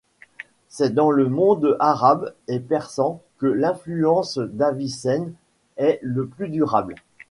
C'est dans le monde arabe et persan que l'influence d'Avicenne est le plus durable.